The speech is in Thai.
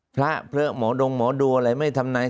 พระเผลอหมอดงหมอดูอะไรไม่ทำนาย